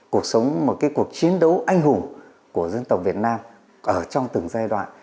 cuộc sống một cái cuộc chiến đấu anh hùng của dân tộc việt nam ở trong từng giai đoạn